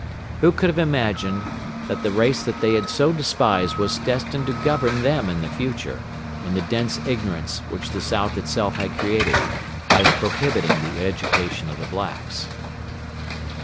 Who could have imagined that the race they had so despised was destined to govern them in the future, in the dense ignorance which the South itself had created, by prohibiting the education of the blacks?